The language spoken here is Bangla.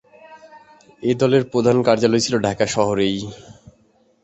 এই দলের প্রধান কার্যালয় ছিল ঢাকা শহরেই।